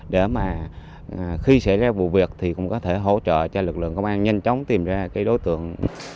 để mà khi xảy ra vụ việc thì cũng có thể hỗ trợ cho lực lượng công an nhanh chóng tìm ra cái đối tượng